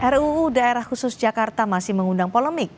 ruu daerah khusus jakarta masih mengundang polemik